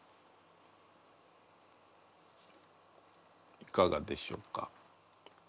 いかがでしょうか？